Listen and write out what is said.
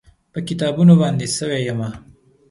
په کتابونو باندې سوی یمه